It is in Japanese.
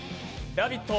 ラヴィット！